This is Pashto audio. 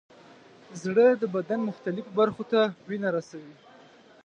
زړه د بدن مختلفو برخو ته وینه رسوي.